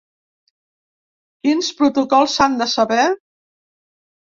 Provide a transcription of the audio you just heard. Quins protocols s’han de saber?